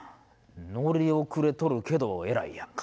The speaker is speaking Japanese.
乗り遅れとるけど偉いやんか。